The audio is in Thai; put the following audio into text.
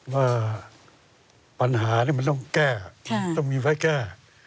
ว่าปัญหานี่มันต้องแก้ต้องมีไว้แก้